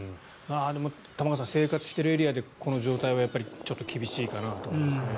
でも、玉川さん生活しているエリアでこの状態はやっぱりちょっと厳しいかなと。